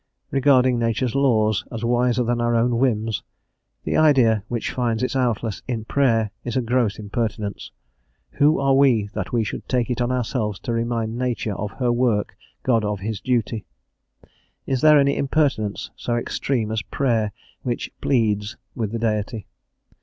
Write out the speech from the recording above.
Regarding Nature's laws as wiser than our own whims, the idea which finds its outlet in prayer is a gross impertinence; who are we that we should take it on ourselves to remind Nature of her work, God of his duty? Is there any impertinence so extreme as the prayer which "pleads" with the Deity?